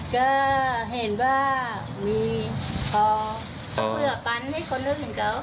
ก็เห็นว่ามีพอเพื่อปันให้คนอื่นเขา